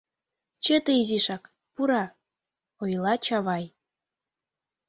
— Чыте изишак, пура, — ойла Чавай.